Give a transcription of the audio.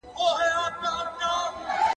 چي نسونه ئې گوښي وي، نيتونه ئې گوښي وي.